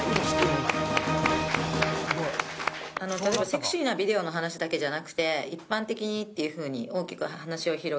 例えばセクシーなビデオの話だけじゃなくて「一般的に」っていう風に大きく話を広げて持っていった事。